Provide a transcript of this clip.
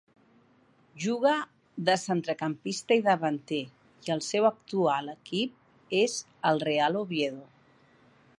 Juga de centrecampista i davanter, i el seu actual equip és el Real Oviedo.